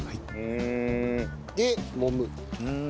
でもむ。